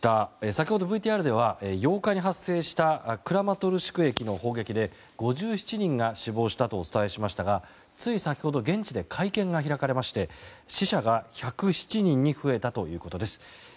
先ほどＶＴＲでは８日に発生したクラマトルシク駅への攻撃で５７人が死亡したとお伝えしましたがつい先ほど現地で会見が開かれまして死者が１０７人に増えたということです。